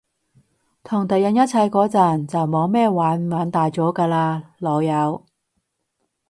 同敵人一齊嗰陣，就冇咩玩唔玩大咗㗎喇，老友